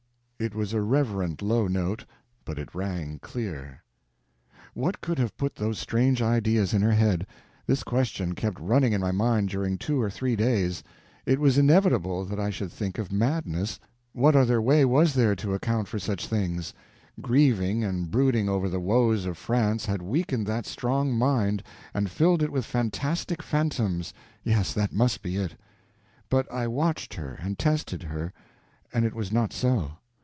It was a reverent low note, but it rang clear. What could have put those strange ideas in her head? This question kept running in my mind during two or three days. It was inevitable that I should think of madness. What other way was there to account for such things? Grieving and brooding over the woes of France had weakened that strong mind, and filled it with fantastic phantoms—yes, that must be it. But I watched her, and tested her, and it was not so.